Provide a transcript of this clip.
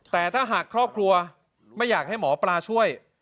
แต่ถ้าหากครอบครัวไม่อยากให้หมอปลาช่วย